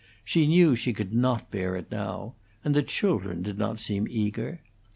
She knew she could not bear it now; and the children did not seem eager.